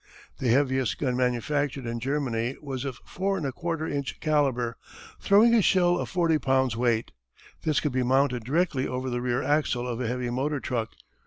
The heaviest gun manufactured in Germany was of 4 1/4 inch calibre, throwing a shell of forty pounds weight. This could be mounted directly over the rear axle of a heavy motor truck.